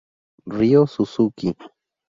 Rio Suzuki